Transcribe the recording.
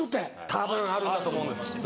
たぶんあるんだと思うきっと。